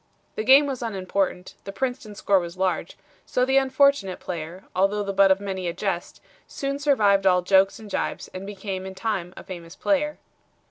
The game was unimportant, the Princeton's score was large, so the unfortunate player, although the butt of many a jest, soon survived all jokes and jibes and became in time a famous player."